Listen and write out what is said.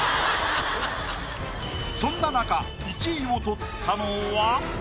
そんななか１位を取ったのは。